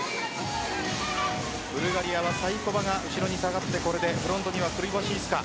ブルガリアはサイコバが後ろに下がってフロントからクリボシイスカ。